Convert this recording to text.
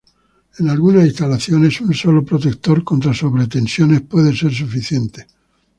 En algunas instalaciones un solo protector contra sobretensiones puede ser suficiente.